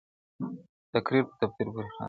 o تقدير په تدبير پوري خاندي٫